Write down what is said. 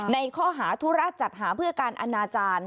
ในข้อหาธุระจัดหาเพื่อการอนาจารย์